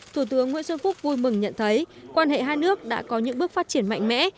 thủ tướng nguyễn xuân phúc vui mừng nhận thấy quan hệ hai nước đã có những bước phát triển mạnh mẽ